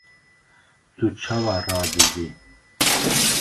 Tu çawa radizî?!